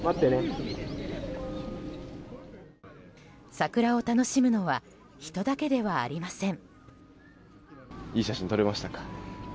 桜を楽しむのは人だけではありません。